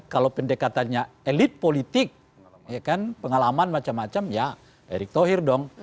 kalau pendekatannya elit politik ya kan pengalaman macam macam ya erik thohir dong